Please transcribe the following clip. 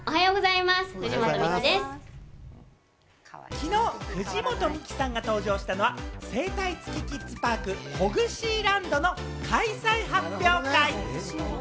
昨日、藤本美貴さんが登場したのは、整体つきキッズパーク・ホグシーランドの開催発表会。